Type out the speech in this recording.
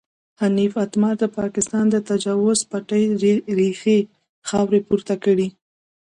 حنیف اتمر د پاکستان د تجاوز پټې ریښې خاورې پورته کړې.